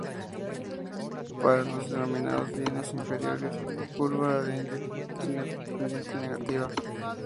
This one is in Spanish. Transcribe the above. Para los denominados bienes inferiores, la curva de Engel tiene pendiente negativa.